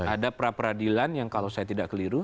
ada pra peradilan yang kalau saya tidak keliru